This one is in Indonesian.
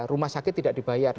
rumah sakit tidak dibayar